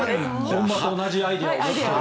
本場と同じアイデアを。